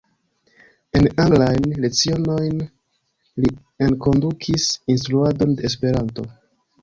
En anglajn lecionojn li enkondukis instruadon de Esperanto.